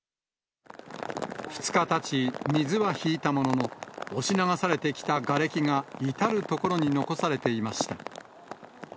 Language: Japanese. ２日たち、水は引いたものの、押し流されてきたがれきが至る所に残されていました。